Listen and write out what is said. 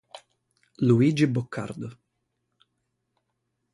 Luigi Boccardo